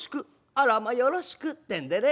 『あらまよろしく』ってんでね